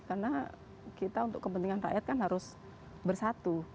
karena kita untuk kepentingan rakyat kan harus bersatu